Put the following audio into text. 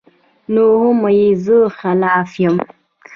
نو هم ئې زۀ خلاف يم